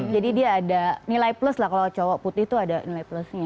jadi dia ada nilai plus lah kalau cowok putih tuh ada nilai plusnya